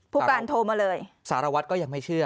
ผู้การโทรมาเลยสารวัตรก็ยังไม่เชื่อ